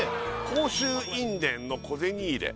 甲州印伝の小銭入れ